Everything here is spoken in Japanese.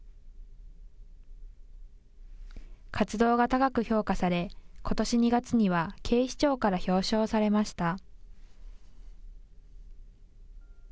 活動が高く評価されことし２月には警視庁から表彰されました。